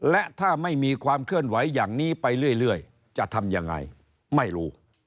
และถ้าไม่มีความเคลื่อนไหวอย่างนี้ไปเรื่อยจะทำยังไงไม่รู้